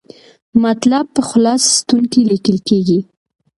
مطلب په خلص ستون کې لیکل کیږي.